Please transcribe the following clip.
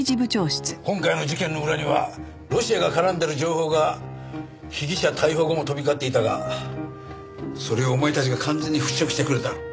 今回の事件の裏にはロシアが絡んでる情報が被疑者逮捕後も飛び交っていたがそれをお前たちが完全に払拭してくれた。